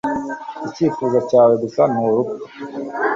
Icyifuzo cyawe gusa ni urupfu